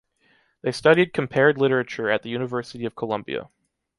They studied Compared Literature at the University of Columbia.